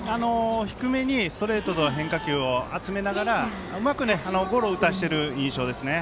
低めにストレートと変化球を集めながらうまくゴロを打たせてる印象です。